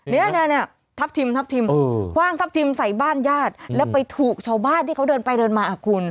เนี่ยทัพทิมทับทิมคว่างทัพทิมใส่บ้านญาติแล้วไปถูกชาวบ้านที่เขาเดินไปเดินมาอ่ะคุณ